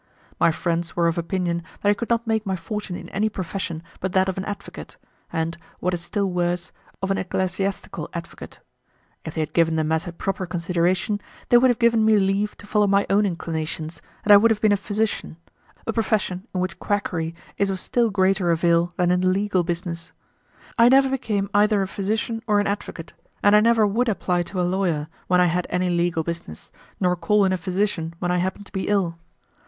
My friends were of opinion that I could not make my fortune in any profession but that of an advocate, and, what is still worse, of an ecclesiastical advocate. If they had given the matter proper consideration, they would have given me leave to follow my own inclinations, and I would have been a physician a profession in which quackery is of still greater avail than in the legal business. I never became either a physician or an advocate, and I never would apply to a lawyer, when I had any legal business, nor call in a physician when I happened to be ill.